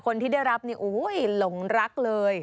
คนที่ได้รับลงรักเลย